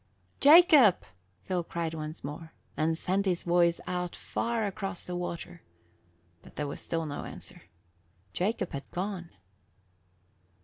"Jacob!" Phil cried once more, and sent his voice out far across the water. But there was still no answer. Jacob had gone.